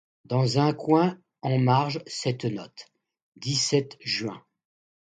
Dans un coin, en marge, cette note : dix-sept juin.